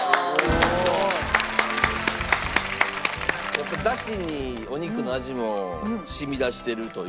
やっぱ出汁にお肉の味も染み出してるという？